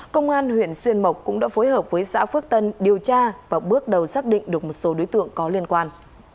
công an huyện xuyên mộc cũng đã phối hợp với xã phước tân điều tra và bước đầu xác định được một số đối tượng có liên quan